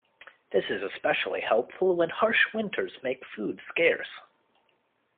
This is especially helpful when harsh winters make food scarce.